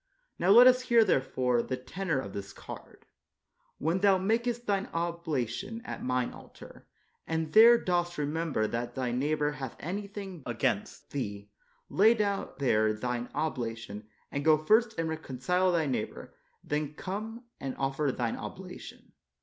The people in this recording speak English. Now let us hear, therefore, the tenor of this card :'' When thou makest thine oblation at Mine altar, and there dost remember that thy neighbor hath anything against thee, lay down there thine obla tion, and go first and reconcile thy neighbor, and then come and offer thine oblation."